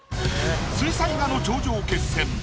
水彩画の頂上決戦！